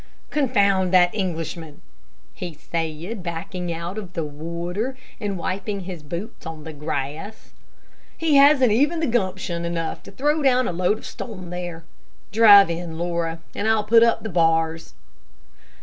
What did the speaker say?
"Confound that Englishman," he said, backing out of the water, and wiping his boots on the grass. "He hasn't even gumption enough to throw down a load of stone there. Drive in, Laura, and I'll put up the bars."